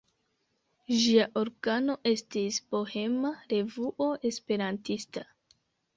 Ĝia organo estis Bohema Revuo Esperantista.